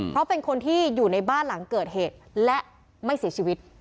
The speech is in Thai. เพราะเป็นคนที่อยู่ในบ้านหลังเกิดเหตุและไม่เสียชีวิต